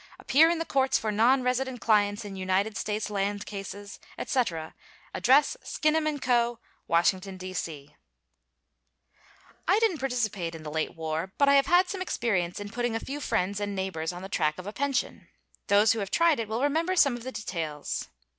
Appear in the courts for nonresident clients in United States land cases, etc. Address Skinnem & Co., Washington, D.C. I didn't participate in the late war, but I have had some experience in putting a few friends and neighbors on the track of a pension. Those who have tried it will remember some of the details.